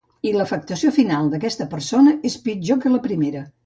I l"afecció final d"aquesta persona és pitjor que la primera.